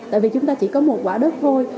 tại vì chúng ta chỉ có một quả đất thôi